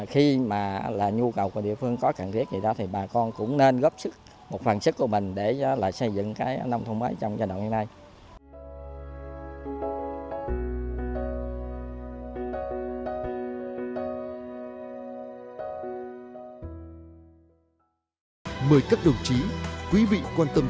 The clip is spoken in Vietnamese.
khi mà nhu cầu của địa phương có cần thiết thì bà con cũng nên góp một phần sức của mình để xây dựng nông thôn mới trong giai đoạn hiện nay